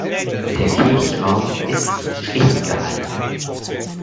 Der Kirchraum ist schlicht gehalten.